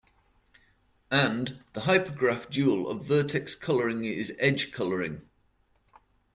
And, the hypergraph dual of vertex coloring is edge coloring.